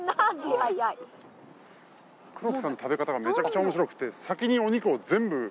黒木さんの食べ方がめちゃくちゃおもしろくて先にお肉を全部。